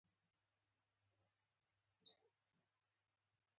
پیاز د وینې د بندښت مخنیوی کوي